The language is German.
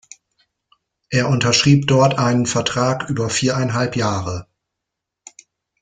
Er unterschrieb dort einen Vertrag über viereinhalb Jahre.